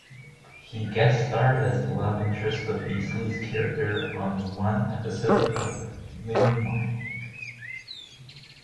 He guest-starred as the love interest of Beasley's character on one episode of "Moonlighting".